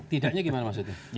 tidaknya gimana maksudnya